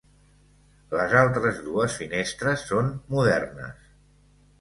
Les altres dues finestres són modernes.